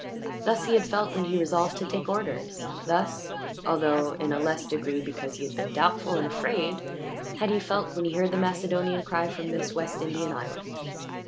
Thus had he felt when he resolved to take orders, thus, although in a less degree, because he had been doubtful and afraid, had he felt when he heard the Macedonian cry from this West Indian island.